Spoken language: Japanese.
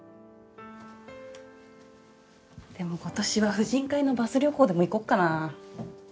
でも今年は婦人会のバス旅行でも行こっかなぁ。